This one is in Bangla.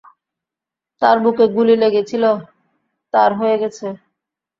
তাঁর বুকে গুলি লেগেছিল, তাঁর হয়ে গেছে।